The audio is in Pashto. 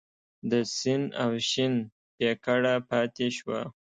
د سین او شین پیکړه پاتې شوه.